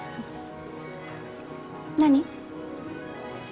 何？